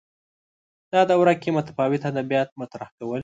دا دوره کې متفاوت ادبیات مطرح کول